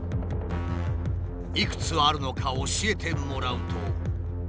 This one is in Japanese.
いくつあるのか教えてもらうと。